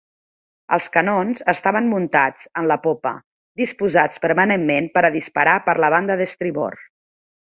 Els canons estaven muntats en la popa, disposats permanentment per a disparar per la banda d'estribord.